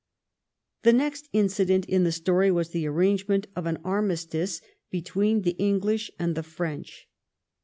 The next incident in the story was the arrange ment of an armistice between the English and the French.